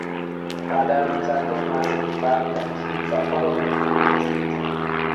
A Kádár utcától második párhuzamos utca a Radnóti Miklós utca.